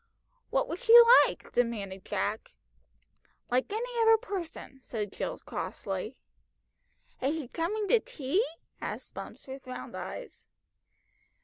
"What was she like?" demanded Jack. "Like any other person," said Jill crossly. "Is she coming to tea?" asked Bumps with round eyes.